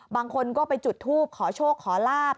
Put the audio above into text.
บางคนก็ไปจุดทูปขอโชคขอลาบ